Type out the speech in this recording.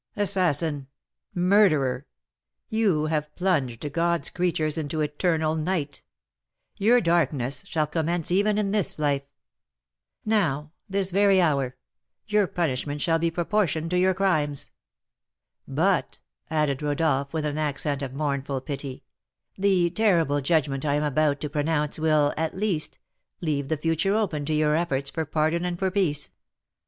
Assassin! murderer! you have plunged God's creatures into eternal night; your darkness shall commence even in this life. Now this very hour your punishment shall be proportioned to your crimes. But," added Rodolph, with an accent of mournful pity, "the terrible judgment I am about to pronounce will, at least, leave the future open to your efforts for pardon and for peace.